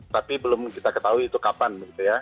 tapi belum kita ketahui itu kapan